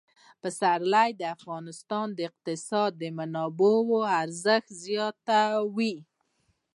پسرلی د افغانستان د اقتصادي منابعو ارزښت زیاتوي.